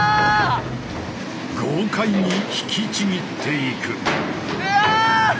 豪快に引きちぎっていく。